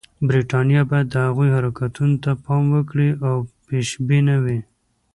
برټانیه باید د هغوی حرکتونو ته پام وکړي او پېشبینه وي.